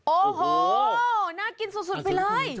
โอ้โหน่ากินสุดไปเลย